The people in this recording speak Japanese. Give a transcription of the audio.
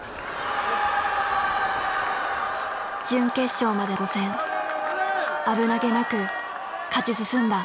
準決勝まで５戦危なげなく勝ち進んだ。